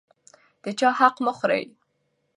د چا حق مه خورئ.